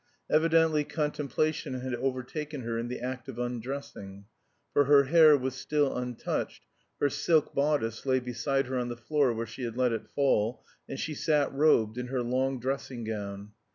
Evidently contemplation had overtaken her in the act of undressing, for her hair was still untouched, her silk bodice lay beside her on the floor where she had let it fall, and she sat robed in her long dressing gown.